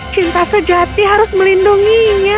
cinta sejati harus melindunginya